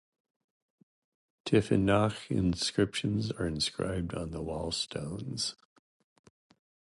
Tifinagh inscriptions are inscribed on the wall stones.